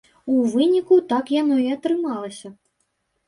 У выніку так яно і атрымалася.